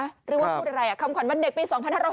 หรือว่าพูดอะไรคำขวัญวันเด็กปี๒๕๖๐